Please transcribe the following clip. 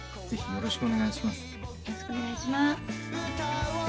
よろしくお願いします！